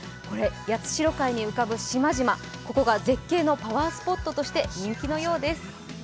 八代海に浮かぶ島々、ここが絶景のパワースポットとして人気だそうです。